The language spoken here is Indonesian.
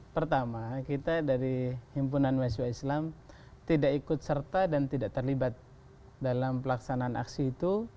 pertama kita dari himpunan mahasiswa islam tidak ikut serta dan tidak terlibat dalam pelaksanaan aksi itu